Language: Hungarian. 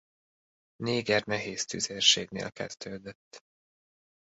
Néger Nehéztüzérségnél kezdődött.